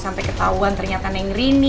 sampai ketahuan ternyata neng rini